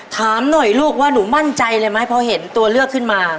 ถามหน่อยลูกว่าหนูมั่นใจเลยไหมพอเห็นตัวเลือกขึ้นมา